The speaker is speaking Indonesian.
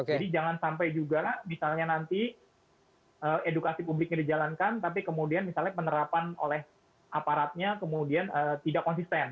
jadi jangan sampai juga misalnya nanti edukasi publiknya dijalankan tapi kemudian misalnya penerapan oleh aparatnya kemudian tidak konsisten